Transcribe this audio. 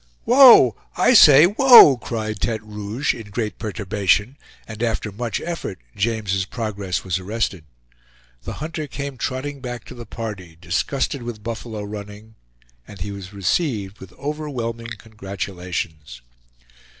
"Woa! I say, woa!" cried Tete Rouge, in great perturbation, and after much effort James' progress was arrested. The hunter came trotting back to the party, disgusted with buffalo running, and he was received with overwhelming congratulations.